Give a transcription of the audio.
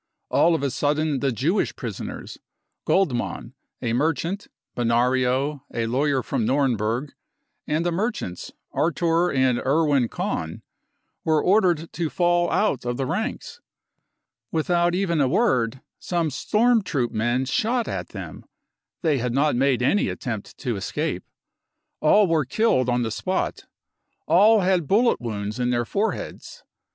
All of a sudden the Jewish prisoners — Goldmann, a mer chant, Benario, a lawyer from Nurnberg, and the y merchants, Artur and Erwin Kahn — were ordered to .! t 310 BROWN BOOK OF THE HITLER TERROR fall out of the ranks. Without even a word, some Storm Troop men shot at them ; they had not made any attempt to escape. All were killed on the spot. All had bullet wounds in their foreheads.